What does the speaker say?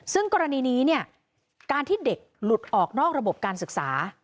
ซึ่งกรณีนี้เนี่ยการที่เด็กหลุดออกนอกระบบการศึกษา